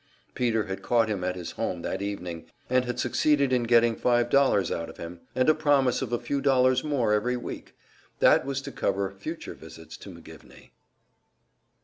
Peter had caught him at his home that evening, and had succeeded in getting five dollars out of him, and a promise of a few dollars more every week. That was to cover future visits to McGivney.